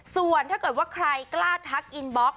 ส่วนถ้าเกิดว่าใครกล้าทักอินบล็อก